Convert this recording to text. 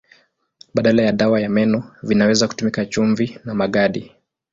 Badala ya dawa ya meno vinaweza kutumika chumvi na magadi.